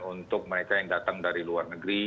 untuk mereka yang datang dari luar negeri